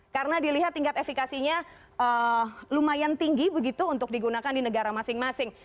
karena dilihat tingkat efekasinya lumayan tinggi begitu untuk digunakan di negara masing masing